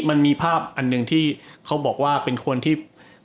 มันมีภาพอันหนึ่งที่เขาบอกว่าเป็นคนที่